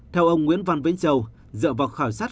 theo ông nguyễn văn vĩnh châu dựa vào khảo sát